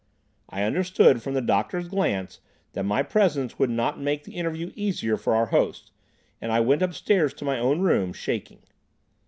I understood from the doctor's glance that my presence would not make the interview easier for our host, and I went upstairs to my own room—shaking.